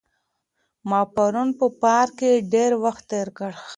ما پرون په پارک کې ډېر وخت تېر کړ.